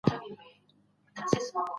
مجردان تر متأهلو ډېر خطر لري.